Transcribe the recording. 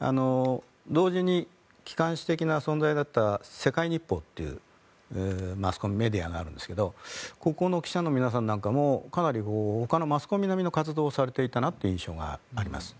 同時に機関紙的な存在だった世界日報というマスコミメディアがあるんですけどもここの記者の皆さんもほかのマスコミ並みの活動をされていたなと思います。